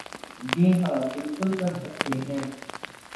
جی ہاں بالکل کر سکتے ہیں ۔